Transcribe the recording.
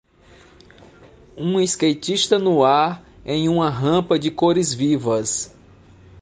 Um skatista no ar em uma rampa de cores vivas.